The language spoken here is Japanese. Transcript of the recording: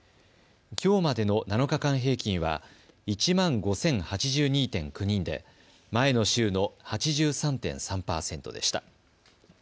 きょうまでの７日間平均は１万５０８２．９人で前の週の８３．３％でした。